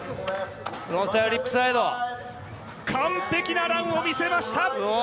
完璧なランを見せました。